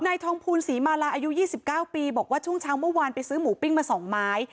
นายทองภูลศรีมาลาอายุ๒๙ปีบอกว่าช่วงเช้าเมื่อวานไปซื้อหมูปิ้งมา๒ไม้